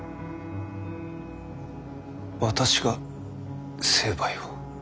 私が成敗を？